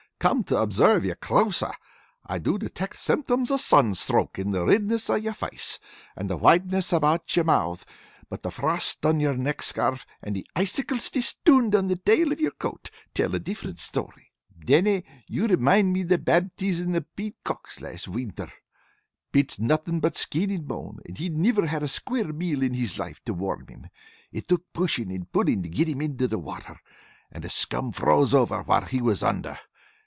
Come to observe you closer, I do detect symptoms of sunstroke in the ridness of your face, and the whiteness about your mouth; but the frost on your neck scarf, and the icicles fistooned around the tail of your coat, tell a different story. "Dannie, you remind me of the baptizin' of Pete Cox last winter. Pete's nothin' but skin and bone, and he niver had a square meal in his life to warm him. It took pushin' and pullin' to get him in the water, and a scum froze over while he was under.